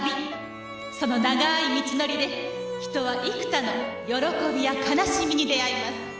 その長い道のりで人は幾多の喜びや悲しみに出会います」